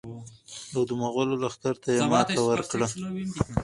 او د مغولو لښکرو ته یې ماته ورکړه.